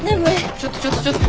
ちょっとちょっとちょっと。